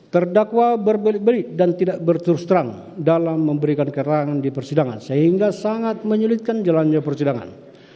terdakwa berbelit belit dan tidak berterus terang dalam memberikan keterangan di persidangan sehingga sangat menyulitkan jalannya persidangan